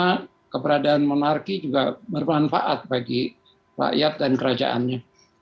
karena keberadaan monarki juga bermanfaat bagi rakyat dan kerajaannya